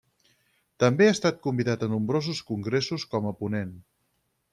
També ha estat convidat a nombrosos congressos com a ponent.